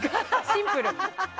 シンプル。